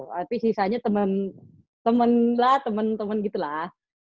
tapi sisanya temen temen lah temen temen gitu lah